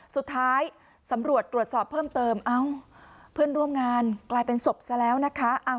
สุดท้ายสำรวจตรวจสอบเพิ่มเติมเอ้าเพื่อนร่วมงานกลายเป็นศพซะแล้วนะคะ